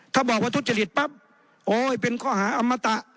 ถ้าบอกว่าทุจริตปั๊บโอ้ยเป็นข้อหาอมตะ